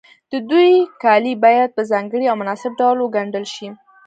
د دوی کالي باید په ځانګړي او مناسب ډول وګنډل شي.